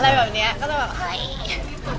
อะไรแบบนี้ก็จะแบบ